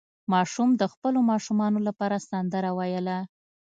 ماشوم د خپلو ماشومانو لپاره سندره ویله.